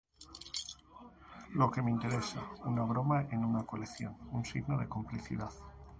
Lo que me interesa: una broma en una colección, un signo de complicidad".